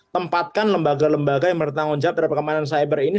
tempatkan lembaga lembaga yang menerima tanggung jawab dari keamanan cyber ini